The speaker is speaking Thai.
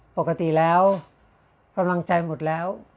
ปกติแล้วกำลังใจหมดแล้ว